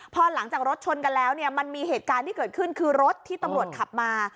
พอหลังจากรถชนกันแล้วเนี่ยมันมีเหตุการณ์ที่เกิดขึ้นคือรถที่ตำรวจขับมา